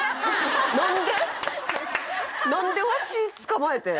何でわしつかまえて？